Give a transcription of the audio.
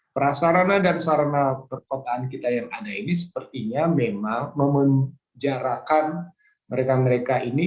prasarana dan sarana perkotaan kita yang ada ini sepertinya memang memenjarakan mereka mereka ini